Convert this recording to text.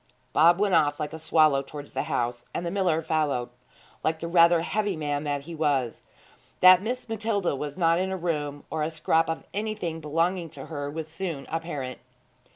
Bob went off like a swallow towards the house, and the miller followed like the rather heavy man that he was. That Miss Matilda was not in her room, or a scrap of anything belonging to her, was soon apparent.